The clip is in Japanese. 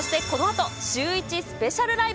そしてこのあと、シューイチスペシャルライブ。